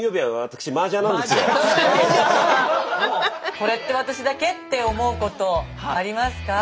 「これって私だけ？」って思うことありますか？